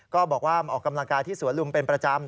ก็บอกว่ามาออกกำลังกายที่สวนลุมเป็นประจำ